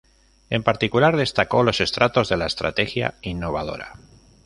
En particular, destacó los estratos de la "estrategia innovadora".